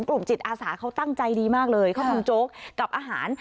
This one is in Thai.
จิตอาสาเขาตั้งใจดีมากเลยเขาทำโจ๊กกับอาหาร